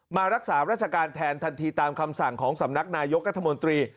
มารักษาราชการแทนทันทีตามคำสั่งของสำนักนายกรัฐมนตรี